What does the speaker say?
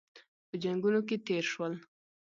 په جنګونو کې تېر شول.